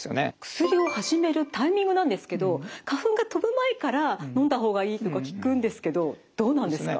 薬を始めるタイミングなんですけど花粉が飛ぶ前からのんだ方がいいとか聞くんですけどどうなんですか？